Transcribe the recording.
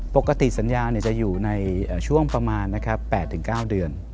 ปกติสัญญาจะอยู่ในช่วงประมาณ๘๙เดือน